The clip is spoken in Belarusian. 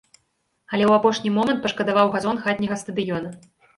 Але ў апошні момант пашкадаваў газон хатняга стадыёна.